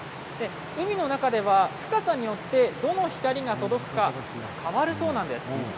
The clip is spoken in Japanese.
海の中では深さによってどの光が届くか変わるそうなんです。